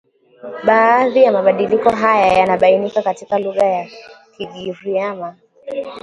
Baadhi ya mabadiliko haya yanabainika katika lugha ya Kigiriama